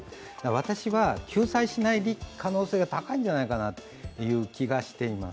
私は救済しない可能性が高いんじゃないかという気がしています。